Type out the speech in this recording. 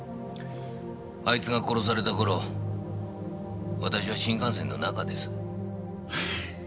あいつが殺された頃私は新幹線の中です。